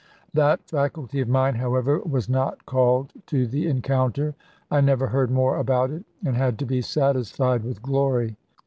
That faculty of mine, however, was not called to the encounter: I never heard more about it, and had to be satisfied with glory.